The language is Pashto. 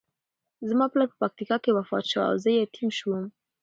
زما پلار په پکتیکا کې وفات شو او زه یتیم شوم.